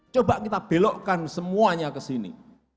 coba kita belokkan semuanya ke sini